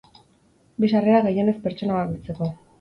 Bi sarrera gehienez pertsona bakoitzeko.